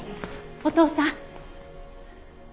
お父さん。